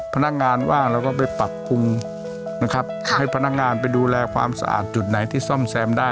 พนักงานว่างแล้วก็ไปปรับปรุงนะครับให้พนักงานไปดูแลความสะอาดจุดไหนที่ซ่อมแซมได้